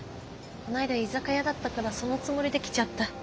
こないだ居酒屋だったからそのつもりで来ちゃった。